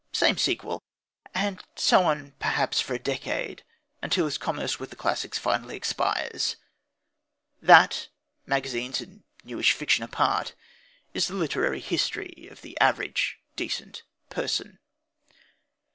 Same sequel! And so on for perhaps a decade, until his commerce with the classics finally expires! That, magazines and newish fiction apart, is the literary history of the average decent person.